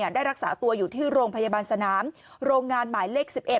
ได้รักษาตัวอยู่ที่โรงพยาบาลสนามโรงงานหมายเลข๑๑